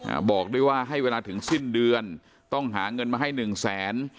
บอกด้วยว่าให้เวลาถึงสิ้นเดือนต้องหาเงินมาให้หนึ่งแสน